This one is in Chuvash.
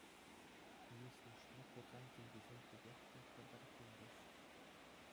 Йыснӑшне курсан килтисем питех те хӗпӗртерӗҫ.